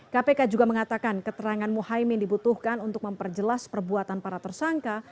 kpk juga mengatakan keterangan muhaymin dibutuhkan untuk memperjelas perbuatan para tersangka